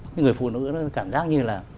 cái người phụ nữ nó cảm giác như là